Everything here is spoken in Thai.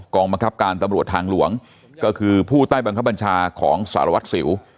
บังคับการตำรวจทางหลวงก็คือผู้ใต้บังคับบัญชาของสารวัตรสิว